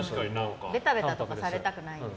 ベタベタとかされたくない。